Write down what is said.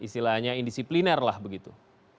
belahnya indisipliner lah begitu